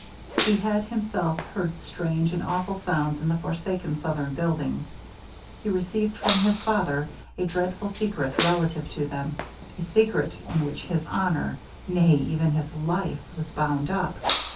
He had himself heard strange and awful sounds in the forsaken southern buildings; he received from his father a dreadful secret relative to them a secret in which his honor, nay even his life, was bound up.